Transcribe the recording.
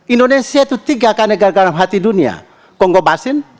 indonesia itu tiga negara dalam hati dunia